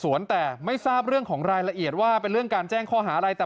แต่ไม่ทราบเรื่องของรายละเอียดว่าเป็นเรื่องการแจ้งข้อหาอะไรแต่